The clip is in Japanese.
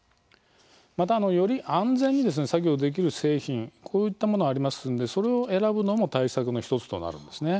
また、より安全に作業できる製品こういったもの、ありますのでそれを選ぶのも対策の１つとなるんですね。